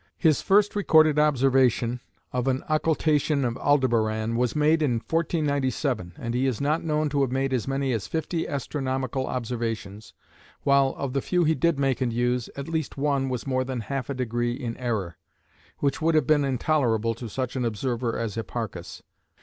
His first recorded observation, of an occultation of Aldebaran, was made in 1497, and he is not known to have made as many as fifty astronomical observations, while, of the few he did make and use, at least one was more than half a degree in error, which would have been intolerable to such an observer as Hipparchus.